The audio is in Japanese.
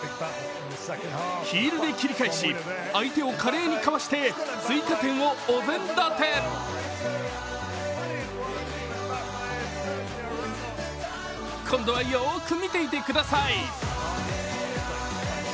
ヒールで切り返し、相手を華麗にかわして追加点をお膳立て！今度はよーく見ていてください。